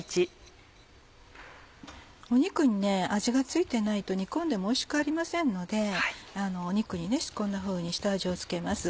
肉に味が付いてないと煮込んでもおいしくありませんので肉にこんなふうに下味を付けます。